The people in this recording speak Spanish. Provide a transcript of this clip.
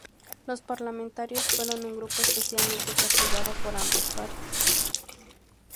Los parlamentarios fueron un grupo especialmente castigado por ambas partes.